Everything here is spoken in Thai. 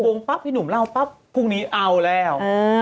ปั๊บพี่หนุ่มเล่าปั๊บพรุ่งนี้เอาแล้ว